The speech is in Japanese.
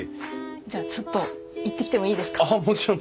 じゃあちょっと行ってきてもいいですか？ああもちろん。